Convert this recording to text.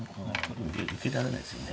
もう受けられないですよね。